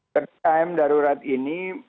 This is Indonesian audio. ppkm darurat ini